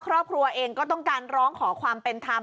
ครอบครัวเองก็ต้องการร้องขอความเป็นธรรม